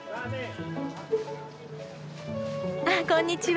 あっこんにちは。